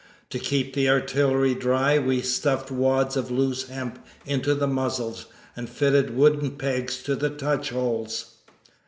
To keep the artillery dry we stuffed wads of loose hemp into the muzzles, and fitted wooden pegs to the touch holes.